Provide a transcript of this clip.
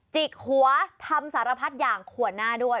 จิกหัวทำสารพัดอย่างขวดหน้าด้วย